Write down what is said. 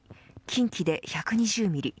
近畿で１２０ミリ